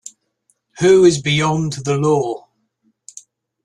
Who is beyond the law?